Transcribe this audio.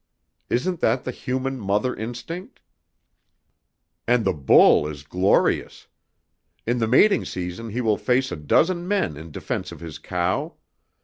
Isn't that the human mother instinct? And the bull is glorious! In the mating season he will face a dozen men in defense of his cow.